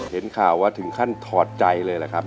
เห็นข่าวว่าถึงขั้นถอดใจเลยแหละครับ